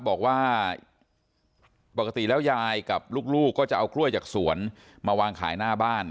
บอกว่าปกติแล้วยายกับลูกก็จะเอากล้วยจากสวนมาวางขายหน้าบ้าน